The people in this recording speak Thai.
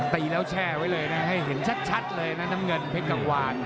ตีแล้วแช่ไว้เลยนะให้เห็นชัดเลยนะน้ำเงินเพชรกังวาน